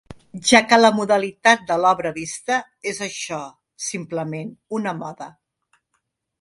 Ja que la modalitat de l’obra vista, és això simplement una moda.